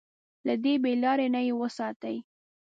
له دې بې لارۍ نه يې وساتي.